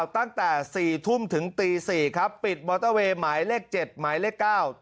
ตั้งแต่สี่ทุ่มถึงตีสี่ครับปิดมอเตอร์เวย์หมายเลขเจ็ดหมายเลข๙